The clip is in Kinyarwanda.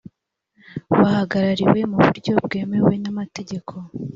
bahagarariwe mu buryo bwemewe n’ amategeko